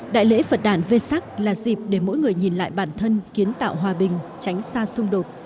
đại lễ phật đàn vê sắc là dịp để mỗi người nhìn lại bản thân kiến tạo hòa bình tránh xa xung đột